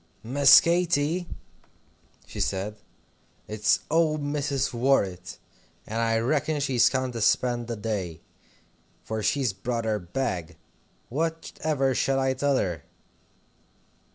"Miss Katy," she said, "it's old Mrs. Worrett, and I reckon's she's come to spend the day, for she's brought her bag. What ever shall I tell her?"